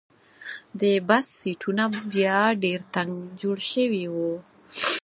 د بس سیټونه بیا ډېر تنګ جوړ شوي وو.